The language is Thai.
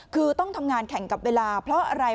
คือต้องทำงานแข่งกับเวลาเพราะอะไร